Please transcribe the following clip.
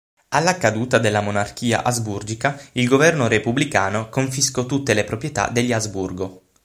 Alla caduta della monarchia asburgica, il governo repubblicano confiscò tutte le proprietà degli Asburgo.